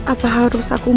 apa yang harus aku lakukan